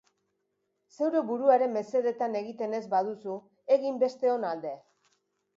Zeure buruaren mesedetan egiten ez baduzu, egin besteon alde.